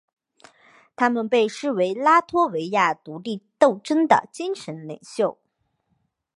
他们被视为拉脱维亚独立斗争的精神领袖。